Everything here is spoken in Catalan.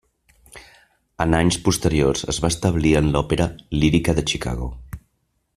En anys posteriors es va establir en l'Òpera Lírica de Chicago.